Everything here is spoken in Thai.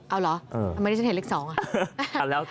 เอาเหรอทำไมที่ฉันเห็นเลข๒อ่ะ